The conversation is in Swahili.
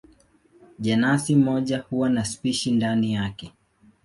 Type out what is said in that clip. Jenasi moja huwa na spishi ndani yake.